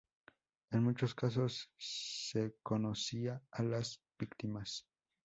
En muchos casos se conocía a las víctimas.